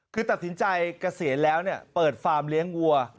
คือตัดสินใจเกษียณแล้วเปิดฟาร์มเลี้ยงวัว